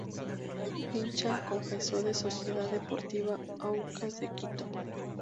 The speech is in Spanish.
Hincha confeso de Sociedad Deportiva Aucas de Quito.